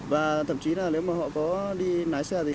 và thậm chí là nếu mà họ có đi lái xe thì